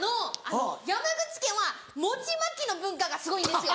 山口県は餅まきの文化がすごいんですよ。